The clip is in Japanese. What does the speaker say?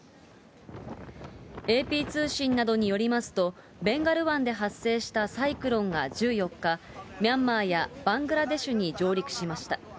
ＡＰ通信などによりますと、ベンガル湾で発生したサイクロンが１４日、ミャンマーやバングラデシュに上陸しました。